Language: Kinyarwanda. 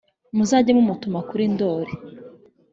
muzajye mumutuma kuri ndoli,